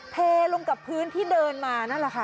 เทลงกับพื้นที่เดินมานั่นแหละค่ะ